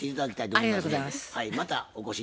ありがとうございます。